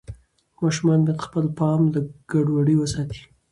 ماشومان باید خپل پام له ګډوډۍ وساتي.